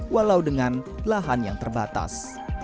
walau dengan lahan yang terbatas